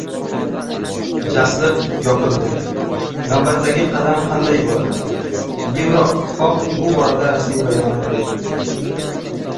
Jasliq yopildi, navbatdagi qadam qanday bo‘ladi? Yevroittifoq bu borada rasmiy bayonot berdi